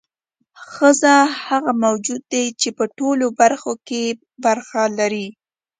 ښځه هغه موجود دی چې په ټولو برخو کې برخه لري.